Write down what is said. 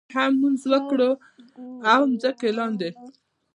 ما هم لمونځ وکړ او مخکې لاندې.